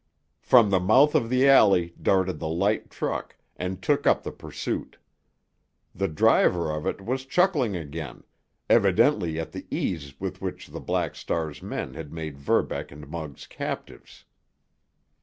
From the mouth of the alley darted the light truck, and took up the pursuit. The driver of it was chuckling again, evidently at the ease with which the Black Star's men had made Verbeck and Muggs captives.